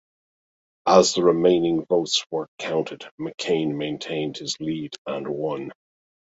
As the remaining votes were counted, McCain maintained his lead and won.